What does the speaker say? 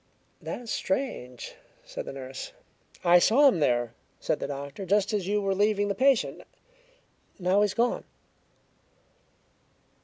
"That is strange," said the nurse. "I saw him there," said the doctor, "just as you were leaving the patient; now he is gone."